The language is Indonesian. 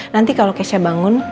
nanti kalau keisha bangun